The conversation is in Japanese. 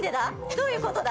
どういうことだ？